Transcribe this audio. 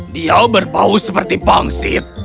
dia berbau seperti pangsit